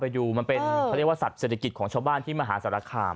ไปดูมันเป็นเขาเรียกว่าสัตว์เศรษฐกิจของชาวบ้านที่มหาสารคาม